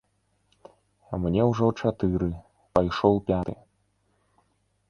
Мне ўжо чатыры, пайшоў пяты.